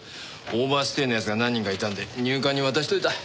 オーバーステイの奴が何人かいたんで入管に渡しといた。